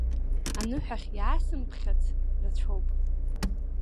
Аныҳәахь иаасымԥхьац рацәоуп.